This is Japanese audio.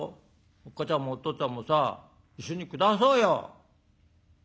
おっかちゃんもおとっつぁんもさ一緒に暮らそうよ」。